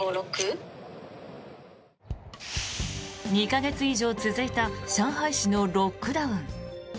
２か月以上続いた上海市のロックダウン。